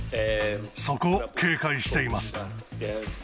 そこを警戒しています。